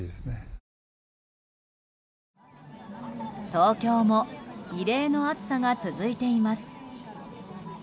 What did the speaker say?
東京も異例の暑さが続いています。